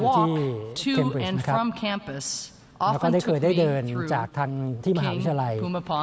ที่เกมบริจน์และเคยได้เดินจากทางที่มหาวิทยาลัย